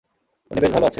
উনি বেশ ভালো আছেন।